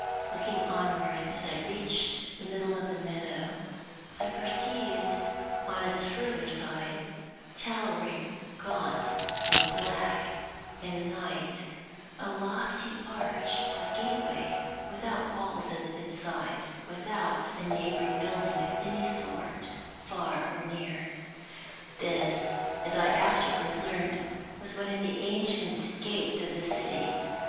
Looking onward as I reached the middle of the meadow, I perceived on its further side, towering gaunt and black in the night, a lofty arch or gateway, without walls at its sides, without a neighboring building of any sort, far or near. This (as I afterward learned) was one of the ancient gates of the city.